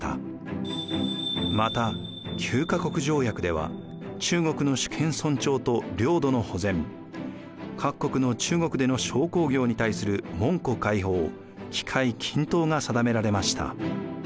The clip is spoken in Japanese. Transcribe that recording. また九か国条約では中国の主権尊重と領土の保全各国の中国での商工業に対する門戸開放機会均等が定められました。